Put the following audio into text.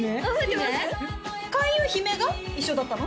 開運姫が一緒だったの？